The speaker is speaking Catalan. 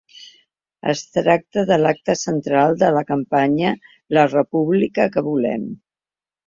Es tracta de l’acte central de la campanya La república que volem.